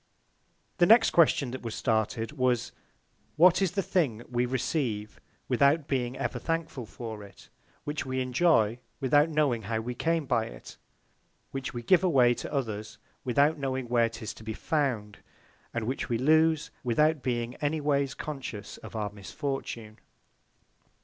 The next Question that was started, was, What is the Thing we receive, without being ever thankful for it; which we enjoy, without knowing how we came by it; which we give away to others, without knowing where 'tis to be found; and which we lose, without being any ways conscious of our Misfortune?